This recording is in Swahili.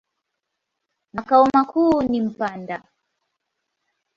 Makao makuu ni Mpanda.